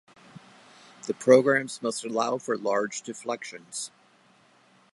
The programs must allow for large deflections.